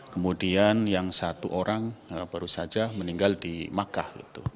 kemudian yang satu orang baru saja meninggal di makkah